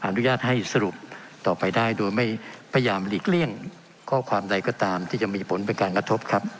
อนุญาตให้สรุปต่อไปได้โดยไม่พยายามหลีกเลี่ยงข้อความใดก็ตามที่จะมีผลเป็นการกระทบครับ